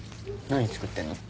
何作ってんの？